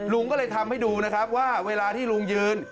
ลุงก็เลยทำให้ดูนะครับว่าเวลาที่ลุงยืน